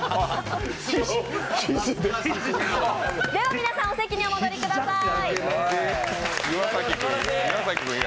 では皆さん、お席にお戻りください